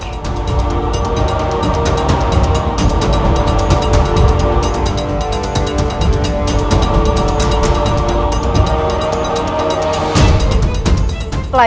kita akan menemukanhani